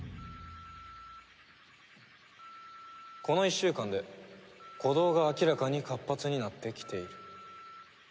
この１週間で鼓動が明らかに活発になってきている。